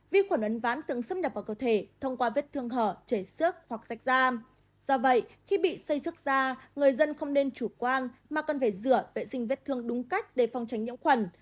vi khuẩn ấn ván từng xâm nhập vào cơ thể thông qua vết thương hở chảy xước hoặc dạch da do vậy khi bị xây sức da người dân không nên chủ quan mà cần phải rửa vệ sinh vết thương đúng cách để phòng tránh nhiễm khuẩn